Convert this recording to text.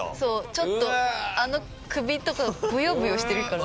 ちょっとあの首とかがブヨブヨしてるから。